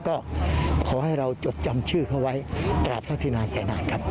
ก็ขอให้เราจบจำชื่อเขาไว้ตราบเท่าที่นานแสนนานครับ